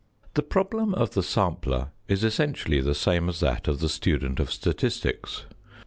The problem of the sampler is essentially the same as that of the student of statistics.